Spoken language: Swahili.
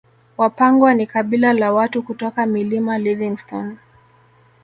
Wapangwa ni kabila la watu kutoka Milima Livingstone